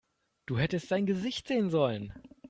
Du hättest dein Gesicht sehen sollen!